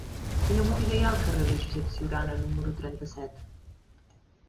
Quina botiga hi ha al carrer de Josep Ciurana número trenta-set?